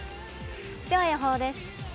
では予報です。